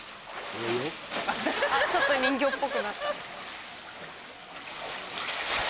ちょっと人魚っぽくなった。